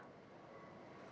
saya memilih untuk tidak reaktif